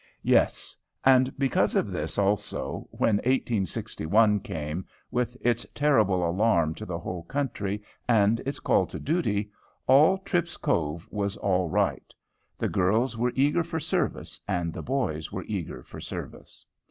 Yes! and because of this also, when 1861 came with its terrible alarm to the whole country, and its call to duty, all Tripp's Cove was all right. The girls were eager for service, and the boys were eager for service.